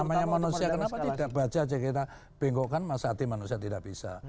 namanya manusia kenapa tidak baca aja kita bengkokkan masa hati manusia tidak bisa